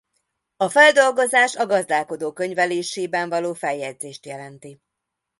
A feldolgozás a gazdálkodó könyvelésében való feljegyzést jelenti.